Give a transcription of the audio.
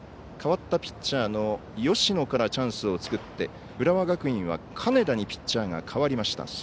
代わったピッチャーの芳野からチャンスを作って浦和学院は金田にピッチャーが代わりました。